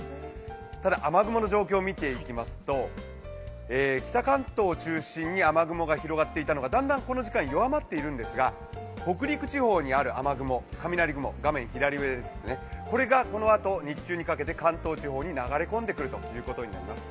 ただ、雨雲の状況を見ていきますと北関東を中心に雨雲が広がっていたのが、だんだん、この時間弱まっているんですが、北陸地方にある雨雲、雷雲がこれがこのあと日中にかけて関東地方に流れ込んでくるということになります。